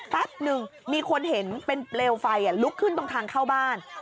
แป๊บหนึ่งมีคนเห็นเป็นเปลวไฟลุกขึ้นตรงทางเข้าบ้าน